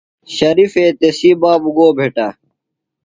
ݨ شریفے تسی بابوۡ گو بھٹہ؟